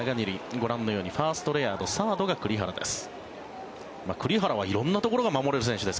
ご覧のようにファースト、レアードサードが栗原です。